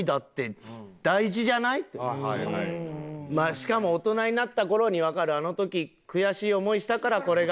しかも大人になった頃にわかるあの時悔しい思いしたからこれがっていう。